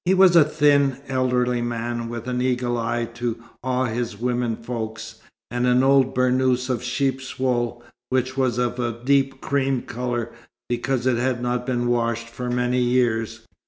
He was a thin, elderly man, with an eagle eye to awe his women folk, and an old burnous of sheep's wool, which was of a deep cream colour because it had not been washed for many years.